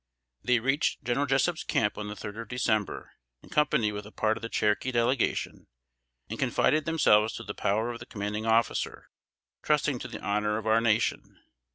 They reached General Jessup's camp on the third of December, in company with a part of the Cherokee Delegation, and confided themselves to the power of the commanding officer, trusting to the honor of our nation.